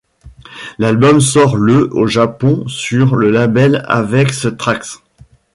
L'album sort le au Japon sur le label Avex Trax.